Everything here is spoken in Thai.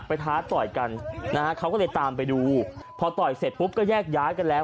ท้าต่อยกันนะฮะเขาก็เลยตามไปดูพอต่อยเสร็จปุ๊บก็แยกย้ายกันแล้ว